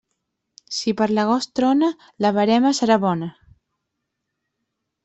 Si per l'agost trona, la verema serà bona.